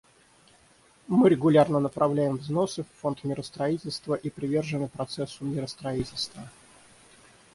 Мы регулярно направляем взносы в Фонд миростроительства и привержены процессу миростроительства.